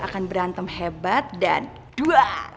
akan berantem hebat dan dua hal